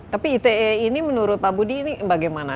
tapi ite ini menurut pak budi ini bagaimana